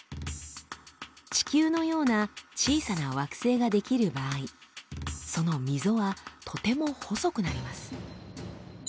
地球のような小さな惑星が出来る場合その溝はとても細くなります。